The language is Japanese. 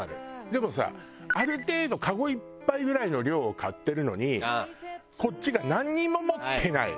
でもさある程度かごいっぱいぐらいの量を買ってるのにこっちがなんにも持ってない。